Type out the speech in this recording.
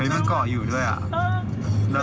มันก่อนอยู่ด้วย